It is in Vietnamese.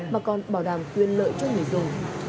mà còn bảo đảm quyền lợi cho người dùng